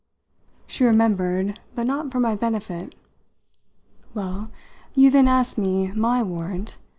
She remembered, but not for my benefit. "Well, you then asked me my warrant.